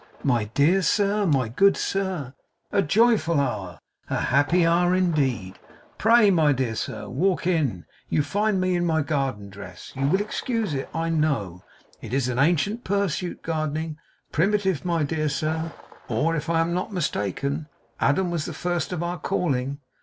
My dear sir; my good sir! A joyful hour, a happy hour indeed. Pray, my dear sir, walk in. You find me in my garden dress. You will excuse it, I know. It is an ancient pursuit, gardening. Primitive, my dear sir. Or, if I am not mistaken, Adam was the first of our calling.